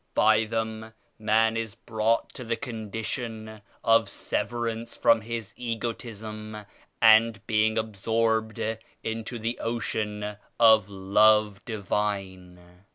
By them, man is brought to the condition of severance from his egotism and being absorbed into the Ocean of Love Divine.